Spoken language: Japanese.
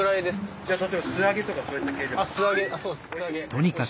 じゃあ例えば素揚げとかそういった。